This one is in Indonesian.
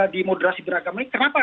di moderasi beragama kenapa